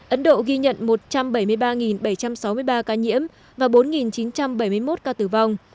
ấn độ ghi nhận một trăm bảy mươi ba bảy trăm sáu mươi ba ca nhiễm và bốn chín trăm bảy mươi một ca tử vong